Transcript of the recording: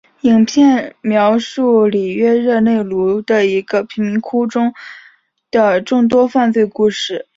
影片描述里约热内卢的一个贫民窟中的众多犯罪故事。